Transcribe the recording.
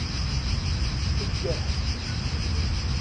Eggeh